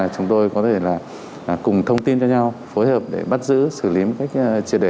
chúng tôi có thể là cùng thông tin cho nhau phối hợp để bắt giữ xử lý một cách triệt để